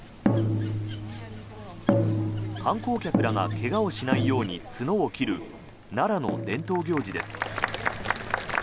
観光客らが怪我をしないように角を切る奈良の伝統行事です。